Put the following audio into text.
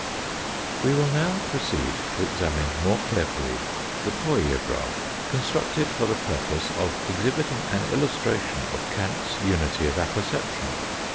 We will now proceed to examine more carefully the poiograph, constructed for the purpose of exhibiting an illustration of Kant's unity of apperception.